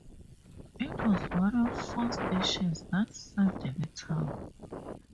It was one of four stations that served the town.